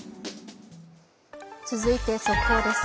続いて速報です。